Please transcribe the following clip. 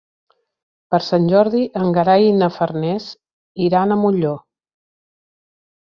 Per Sant Jordi en Gerai i na Farners iran a Molló.